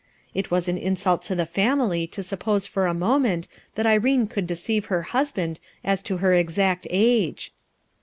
It wan an insult to the family to suppose for a moment that Irene could deceive her husband txn to her exact age